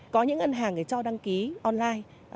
có những ngân hàng để cho đăng ký online